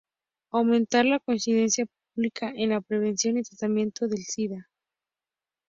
Aumentar la conciencia pública en la prevención y tratamiento del sida.